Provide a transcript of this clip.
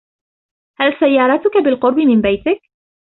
هل سيارتك بالقرب من بيتك ؟